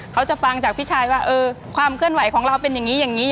เขาจะฟังจากพี่ชายว่าความเคลื่อนไหวของเราเป็นอย่างนี้อย่างนี้